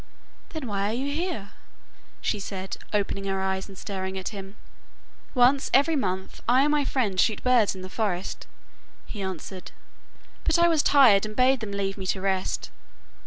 'Then why are you here?' she said, opening her eyes and staring at him. 'Once every month I and my friends shoot birds in the forest,' he answered, 'but I was tired and bade them leave me to rest.